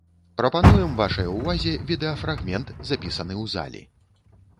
Прапануем вашай увазе відэафрагмент, запісаны ў залі.